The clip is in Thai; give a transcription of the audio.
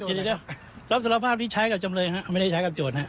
ไม่มีฮะรับสารภาพนี้ใช้กับจำเลยไม่ได้ใช้กับโจทย์